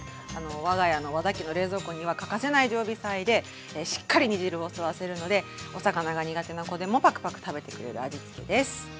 我が家の和田家の冷蔵庫には欠かせない常備菜でしっかり煮汁を吸わせるのでお魚が苦手な子でもパクパク食べてくれる味付けです。